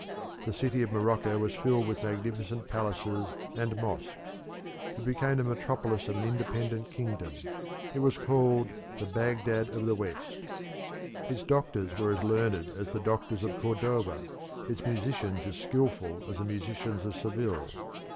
The city of Morocco was filled with magnificent palaces and mosques; it became the metropolis of an independent kingdom; it was called the Baghdad of the west; its doctors were as learned as the doctors of Cordova, its musicians as skilful as the musicians of Seville.